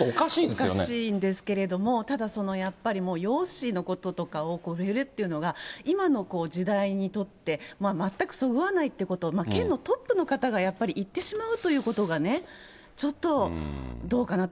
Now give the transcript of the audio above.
おかしいんですけれども、ただやっぱり、容姿のこととかを入れるっていうのが、今の時代にとって、全くそぐわないってことを、県のトップの方がやっぱり、言ってしまうということがね、ちょっとどうかなと。